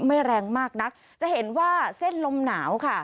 แรงมากนักจะเห็นว่าเส้นลมหนาวค่ะ